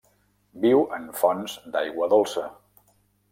Viu en fonts d'aigua dolça.